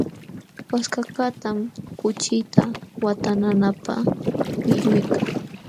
Waskakaqtam kuchita watananapaq pilluyka.